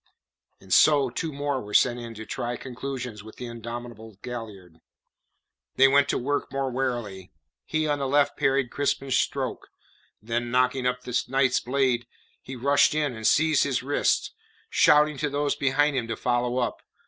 And so two more were sent in to try conclusions with the indomitable Galliard. They went to work more warily. He on the left parried Crispin's stroke, then knocking up the knight's blade, he rushed in and seized his wrist, shouting to those behind to follow up.